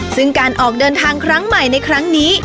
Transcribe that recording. ซึ่งการออกเดินทางครั้งใหม่ในครั้งนี้